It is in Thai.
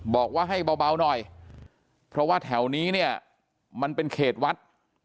บอกว่าให้เบาหน่อยเพราะว่าแถวนี้เนี่ยมันเป็นเขตวัด